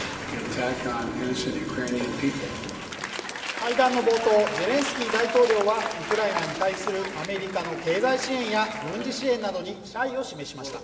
会談の冒頭、ゼレンスキー大統領はウクライナに対するアメリカの経済支援や軍事支援などに謝意を示しました。